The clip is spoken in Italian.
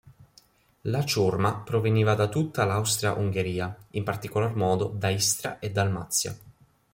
La ciurma proveniva da tutta l'Austria-Ungheria, in particolar modo da Istria e Dalmazia.